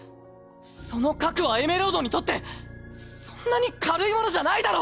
その核はエメロードにとってそんなに軽いものじゃないだろ！